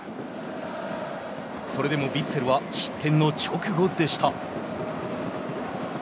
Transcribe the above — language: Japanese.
それでもヴィッセルは失点の直後でした。